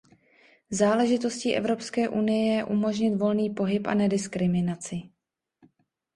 Záležitostí Evropské unie je umožnit volný pohyb a nediskriminaci.